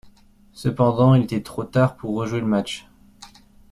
Cependant, il était trop tard pour rejouer le match.